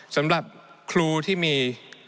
สำหรับครูที่มี